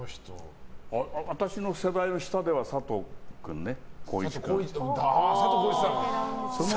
私の世代の下では佐藤君ね、佐藤浩市。